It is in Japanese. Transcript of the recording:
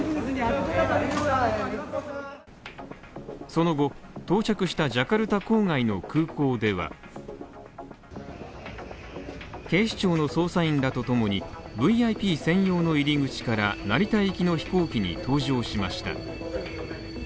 その後、到着したジャカルタ郊外の空港では警視庁の捜査員らとともにＶＩＰ専用の入り口から成田行きの飛行機に搭乗しました。